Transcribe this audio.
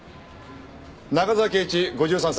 中沢啓一５３歳。